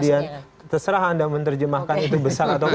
supaya kemudian terserah anda menerjemahkan itu besar atau kecil